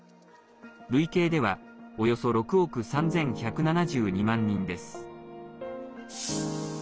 累計ではおよそ６億３１７２万人です。